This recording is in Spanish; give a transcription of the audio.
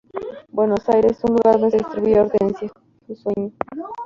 Buenos Aires un lugar donde se distribuía Hortensia, su sueño.